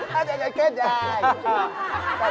ถ้าเย็นเกล็ดแย้ง